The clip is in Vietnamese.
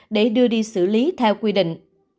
để đưa đi xử lý theo quy định